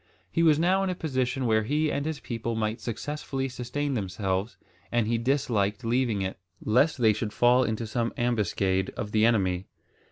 He was now in a position where he and his people might successfully sustain themselves, and he disliked leaving it, lest they should fall into some ambuscade of the enemy.